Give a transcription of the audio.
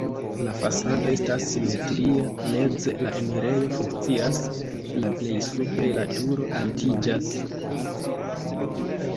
La fasado estas simetria, meze la enirejo funkcias, la plej supre la turo altiĝas.